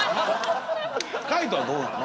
海人はどうなの？